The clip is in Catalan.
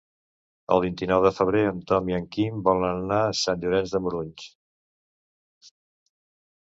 El vint-i-nou de febrer en Tom i en Quim volen anar a Sant Llorenç de Morunys.